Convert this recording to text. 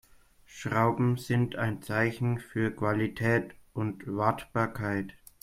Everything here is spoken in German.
Schrauben sind ein Zeichen für Qualität und Wartbarkeit.